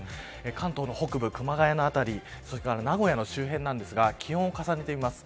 関東北部、熊谷の辺りそれから名古屋の周辺ですが気温を重ねてみます。